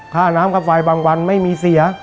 ค่าน้ำค่าไฟบางวันไม่มีเสีย